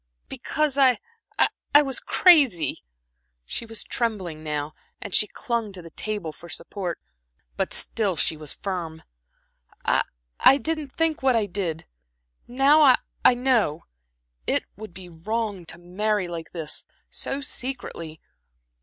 "Because I was crazy." She was trembling now, and she clung to the table for support; but still she was firm. "I I didn't think what I did. Now I I know. It would be wrong to marry like this so secretly.